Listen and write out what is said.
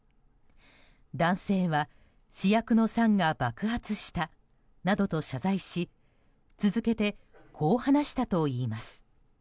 男性は、試薬の酸が爆発したなどと謝罪し続けてこう話したといいます。